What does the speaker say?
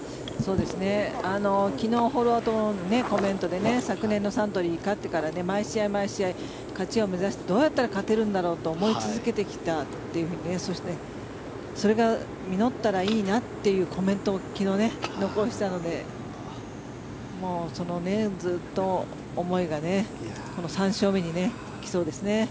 昨日、ホールアウト後のコメントに昨年のサントリーに勝ってから毎試合、毎試合勝ちを目指してどうやったら勝てるんだろうと連想してそしてそれが実ったらいいなっていうコメントを昨日、残したのでそのずっと思いが３勝目に来そうですね。